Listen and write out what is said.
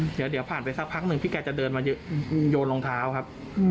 เดี๋ยวผ่านไปสักพักหนึ่งพี่แกจะเดินมาโยนรองเท้าครับ